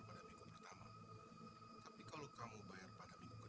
saya mau kasih lima ratus ribu buat saham ini